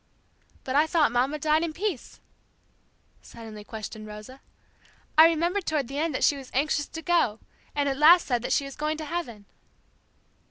'" "But I thought Mamma died in peace?" suddenly questioned Rosa. "I remember toward the end that she was anxious to go, and at last said that she was going to heaven."